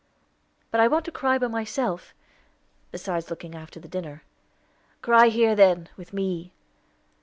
"But I want to cry by myself, besides looking after the dinner." "Cry here then, with me.